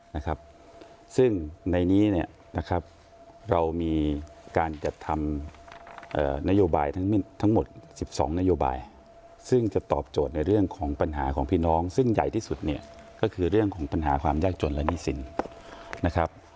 นะครับซึ่งในนี้เนี่ยนะครับเรามีการจัดทำนโยบายทั้งหมดสิบสองนโยบายซึ่งจะตอบโจทย์ในเรื่องของปัญหาของพี่น้องซึ่งใหญ่ที่สุดเนี่ยก็คือเรื่องของปัญหาความยากจนและหนี้สินนะครับ